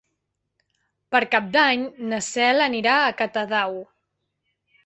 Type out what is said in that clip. Per Cap d'Any na Cel anirà a Catadau.